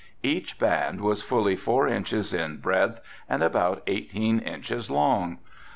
Each band was fully four inches in breadth and about eighteen inches long.